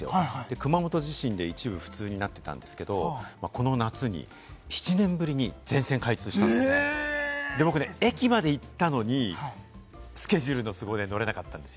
熊本地震で一部不通になっていたんですけれども、この夏に７年ぶりに全線開通したんです、僕、駅まで行ったのにスケジュールの都合で乗れなかったんですよ。